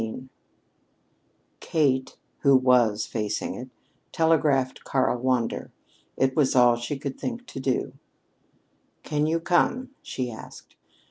XVII Kate, who was facing it, telegraphed to Karl Wander. It was all she could think of to do. "Can you come?" she asked.